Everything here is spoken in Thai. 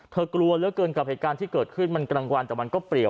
กลัวเหลือเกินกับเหตุการณ์ที่เกิดขึ้นมันกลางวันแต่มันก็เปรียว